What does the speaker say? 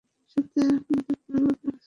সাথে আমাদের প্ল্যান বদলে গেছে।